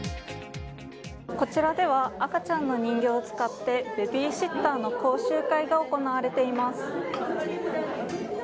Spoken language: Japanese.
こちらでは赤ちゃんの人形を使ってベビーシッターの講習会が行われています。